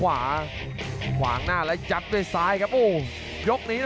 แล้วตบคืนเลยครับด้วย๒สั้นครับของทางด้านเพชร